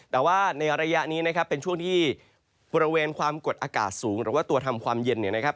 แต่ว่าในระยะนี้นะครับเป็นช่วงที่บริเวณความกดอากาศสูงหรือว่าตัวทำความเย็นเนี่ยนะครับ